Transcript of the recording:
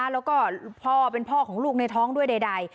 แล้วก็พ่อเป็นพ่อของลูกในท้องด้วยใด